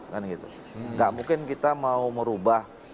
tidak mungkin kita mau merubah